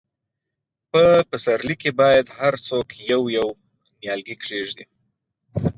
په پسرلي کې باید هر څوک یو، یو نیالګی کښېږدي.